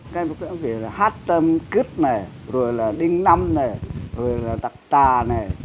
các cái hát cướp này rồi là đinh năm này rồi là đặc trà này